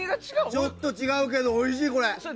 ちょっと違うけどおいしい、これ。